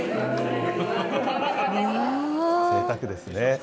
ぜいたくですね。